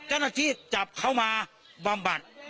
เจ้าหน้าที่จับเขามาบำบัด